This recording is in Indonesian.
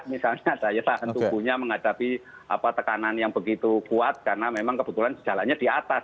misalnya daya tahan tubuhnya menghadapi tekanan yang begitu kuat karena memang kebetulan sejalannya di atas